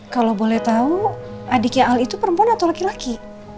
kalau boleh tahu adiknya al itu perempuan atau laki laki